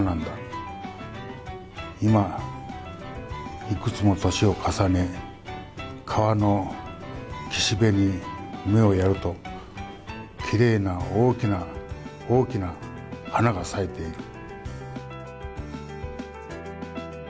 今いくつも年を重ね川の岸辺に目をやるときれいな大きな大きな花が咲いている」。